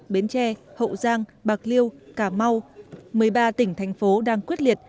bến tre hậu giang bạc liêu cà mau một mươi ba tỉnh thành phố đang quyết liệt